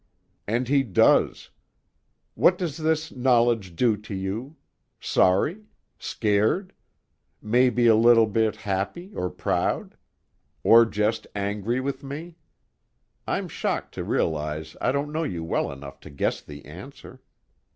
And he does. What does this knowledge do to you? Sorry? Scared? Maybe a little bit happy, or proud? Or just angry with me? I'm shocked to realize I don't know you well enough to guess the answer.